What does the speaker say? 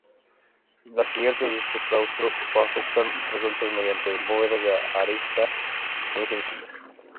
Las cubiertas de este claustro bajo están resueltas mediante bóvedas de arista muy sencillas.